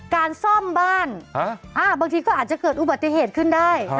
การซ่อมบ้านบางทีก็อาจจะเกิดอุบัติเหตุขึ้นได้